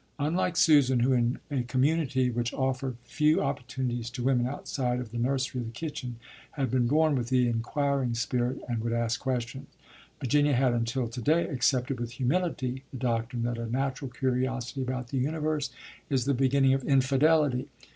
Unlike Susan (who, in a community which offered few opportunities to women outside of the nursery or the kitchen, had been born with the inquiring spirit and would ask questions), Virginia had until to day accepted with humility the doctrine that a natural curiosity about the universe is the beginning of infidelity.